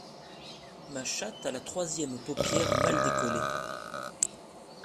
Ma chatte a la troisième paupière mal décollé.